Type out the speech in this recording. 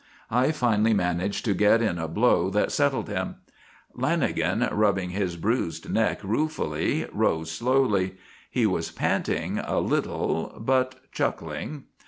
I finally managed to get in a blow that settled him. Lanagan, rubbing his bruised neck ruefully, rose slowly. He was panting a little but chuckling.